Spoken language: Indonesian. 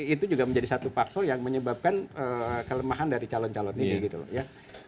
itu juga menjadi satu faktor yang menyebabkan kelemahan dari calon calon ini gitu loh ya